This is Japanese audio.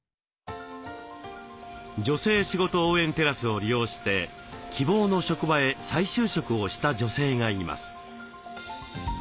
女性しごと応援テラスを利用して希望の職場へ再就職をした女性がいます。